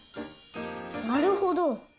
なるほど。